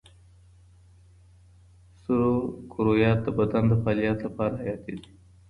سرو کرویات د بدن د فعالیت لپاره حیاتي دي.